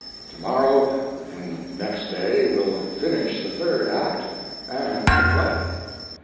To morrow and next day will finish the third act, and the play.